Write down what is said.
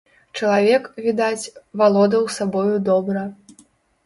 Чалавек, відаць, валодаў сабою добра.